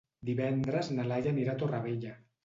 Divendres na Laia anirà a Torrevella.